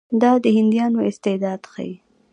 دا د هندیانو استعداد ښيي.